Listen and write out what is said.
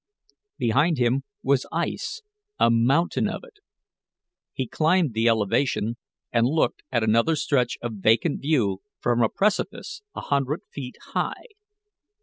Behind him was ice a mountain of it. He climbed the elevation and looked at another stretch of vacant view from a precipice a hundred feet high.